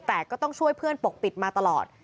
แต่ก็ต้องช่วยเพื่อนปกปิดมาตลอด